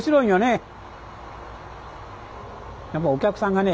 やっぱお客さんがね